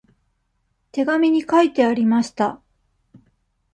手紙に書いてありました。